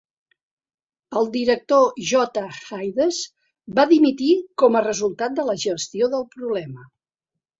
El director, J. Hydes, va dimitir com a resultat de la gestió del problema.